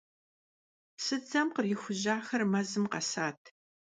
Псыдзэм кърихужьахэр мэзым къэсат.